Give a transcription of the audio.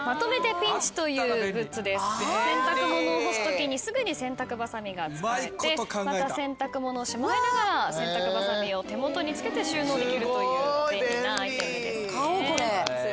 洗濯物を干すときにすぐに洗濯バサミが使えてまた洗濯物をしまいながら洗濯バサミを手元に付けて収納できるという便利なアイテムです。